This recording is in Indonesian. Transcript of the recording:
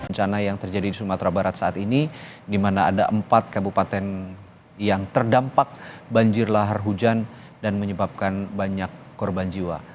bencana yang terjadi di sumatera barat saat ini di mana ada empat kabupaten yang terdampak banjir lahar hujan dan menyebabkan banyak korban jiwa